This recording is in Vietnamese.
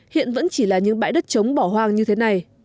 hiện vẫn chỉ là những bãi đất trống bỏ hoang như thế này